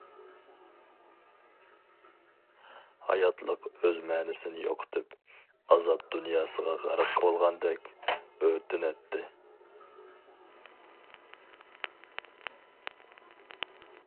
ھاياتلىق ئۆز مەنىسىنى يوقىتىپ، ئازاب دۇنياسىغا غەرق بولغاندەك ئۆرتىنەتتى.